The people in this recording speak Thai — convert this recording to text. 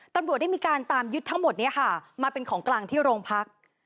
ตำรวจได้มีการตามยึดทั้งหมดนี้ค่ะมาเป็นของกลางที่โรงพัก